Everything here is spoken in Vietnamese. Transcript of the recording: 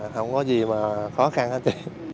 không có gì mà khó khăn hết